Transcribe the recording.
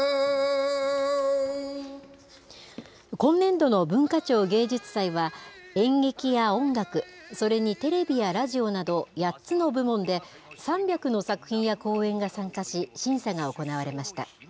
今年度の文化庁芸術祭は、演劇や音楽、それにテレビやラジオなど８つの部門で、３００の作品や公演が参加し、審査が行われました。